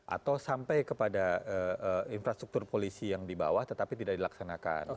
atau sampai kepada infrastruktur polisi yang di bawah tetapi tidak dilaksanakan